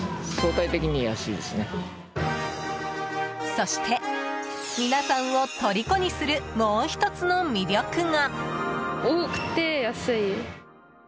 そして、皆さんをとりこにするもう１つの魅力が。